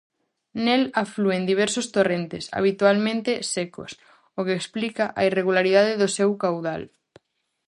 Nel aflúen diversos torrentes, habitualmente secos, o que explica a irregularidade do seu caudal.